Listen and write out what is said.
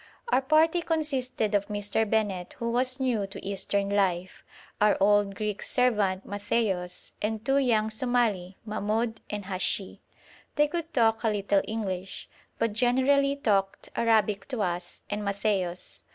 Our party consisted of Mr. Bennett, who was new to Eastern life, our old Greek servant, Matthaios, and two young Somali, Mahmoud and Hashi. They could talk a little English, but generally talked Arabic to us and Matthaios.